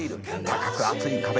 「高く厚い壁。